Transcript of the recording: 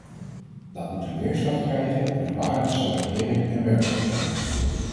Dat moet een weerslag krijgen in een waardige salariëring en werkzekerheid.